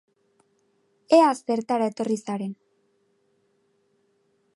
Ea zertara etorri zaren.